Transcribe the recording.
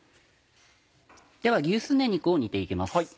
では牛すね肉を煮て行きます。